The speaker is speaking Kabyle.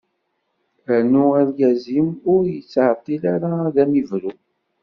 Rnu argaz-im ur yettɛeṭil ara ad m-ibru.